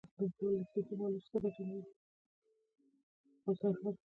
ښکاري خپل ښکار ته ګوري.